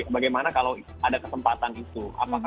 bagaimana kalau ada kesempatan itu